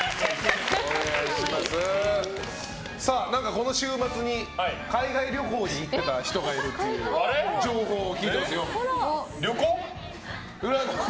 この週末に、海外旅行に行ってた人がいるという情報が。